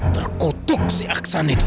terkotuk si aksan itu